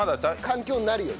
環境になるよね。